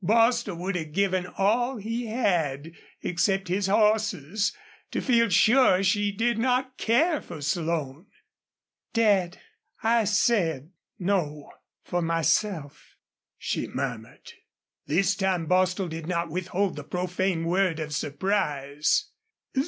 Bostil would have given all he had, except his horses, to feel sure she did not care for Slone. "Dad I said 'No' for myself," she murmured. This time Bostil did not withhold the profane word of surprise.